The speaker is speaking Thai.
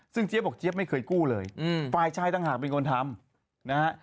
ซึ่งเจี๊ยบบอกเจี๊ยบไม่เคยกู้เลยฝ่ายชายต่างหากเป็นคนทำนะฮะ